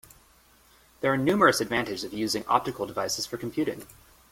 There are numerous advantages of using optical devices for computing.